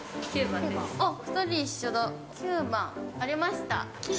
９番、ありました。